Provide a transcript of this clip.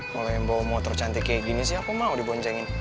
kalau yang bawa motor cantik kayak gini sih aku mau diboncengin